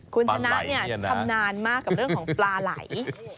คุณธนัทเนี่ยชำนาญมากกับเรื่องของปลาไหล่